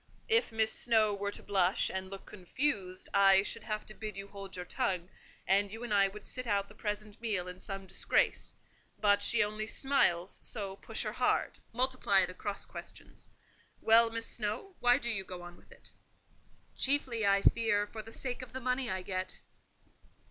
If Miss Snowe were to blush and look confused, I should have to bid you hold your tongue; and you and I would sit out the present meal in some disgrace; but she only smiles, so push her hard, multiply the cross questions. Well, Miss Snowe, why do you go on with it?" "Chiefly, I fear, for the sake of the money I get."